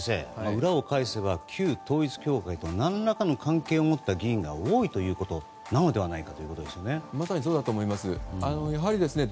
裏を返せば旧統一教会と何らかの関係を持った議員が多いということなのではないかということですよね。